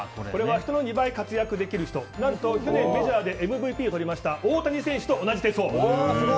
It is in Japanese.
これは人の２倍活躍できる人何と去年メジャーでＭＶＰをとりました大谷選手と同じ手相。